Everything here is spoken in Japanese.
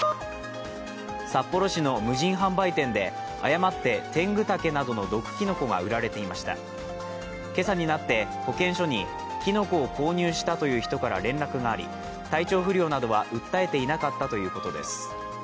札幌市の無人販売店で、誤ってテングタケなどの毒きのこが売られていました今朝になって保健所にきのこを購入したという人から連絡があり体調不良などは訴えていなかったということです。